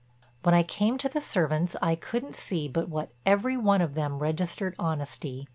When I came to the servants I couldn't see but what every one of them registered honesty.